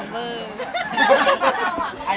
ซึ่งถ้าสอบ